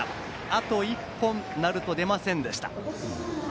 あと１本、鳴門出ませんでした。